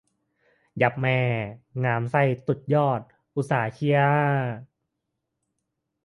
ยับแม่ งามไส้ตุดยอด อุตส่าห์เชียร์อ่า